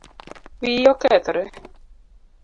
Wiyi okethore